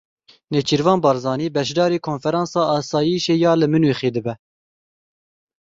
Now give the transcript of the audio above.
Nêçîrvan Barzanî beşdarî Konferansa Asayîşê ya li Munichê dibe.